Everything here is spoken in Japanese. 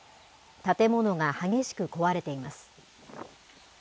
建物が激しく壊れています。